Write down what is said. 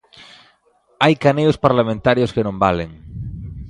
Hai caneos parlamentarios que non valen.